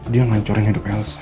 dia ngancurin hidup elsa